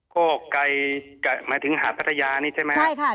โคไกลจะหมายถึงหาดพัทยานี่ใช่ไหม